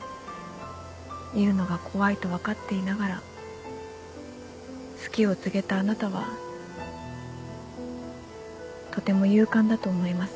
言うのが怖いと分かっていながら好きを告げたあなたはとても勇敢だと思います。